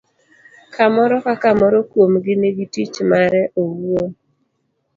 ka moro ka moro kuomgi nigi tich mare owuon.